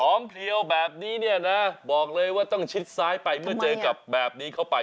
เพลียวแบบนี้เนี่ยนะบอกเลยว่าต้องชิดซ้ายไปเมื่อเจอกับแบบนี้เข้าไป